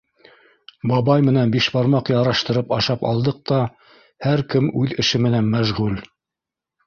Бабай менән бишбармаҡ яраштырып ашап алдыҡ та һәр кем үҙ эше менән мәшғүл.